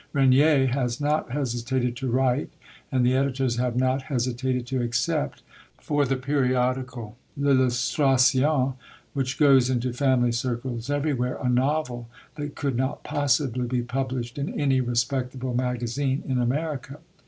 Regnier has not hesitated to write, and the editors have not hesitated to accept, for the periodical L'Illustration, which goes into family circles everywhere, a novel that could not possibly be published in any respectable magazine in America.